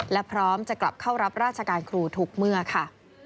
และพร้อมจะกลับเข้ารับราชการครูทุกเมื่อค่ะ